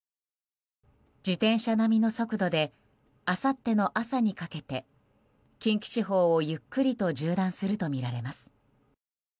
自転車並みの速度であさっての朝にかけて近畿地方をゆっくりと縦断するとみられます。